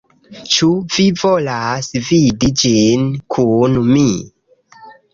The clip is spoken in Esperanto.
Ĉu vi volas vidi ĝin kun mi?